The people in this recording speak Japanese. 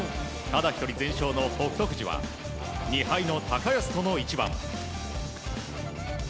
ただ一人全勝の北勝富士は２敗の高安との一番。